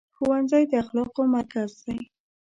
ښوونځی د اخلاقو مرکز دی.